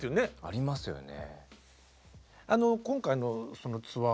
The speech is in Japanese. ありますよね。